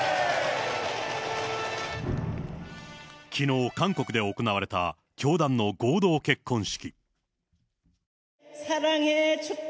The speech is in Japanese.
きのう、韓国で行われた教団の合同結婚式。